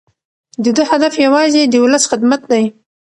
د ده هدف یوازې د ولس خدمت دی.